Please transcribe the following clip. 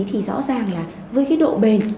thì rõ ràng là với cái độ bền